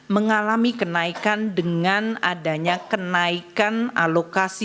mengalami kenaikan dengan adanya kenaikan unit kos jenjang pendidikan menengah dan penambahan sasaran